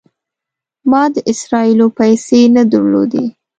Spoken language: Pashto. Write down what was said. ما د اسرائیلو پیسې نه درلودې.